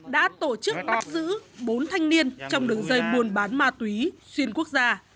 đã tổ chức bắt giữ bốn thanh niên trong đường dây buôn bán ma túy xuyên quốc gia